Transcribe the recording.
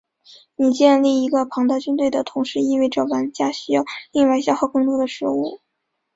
你建立一个庞大军队的同时意味着玩家需要另外消耗更多的食物。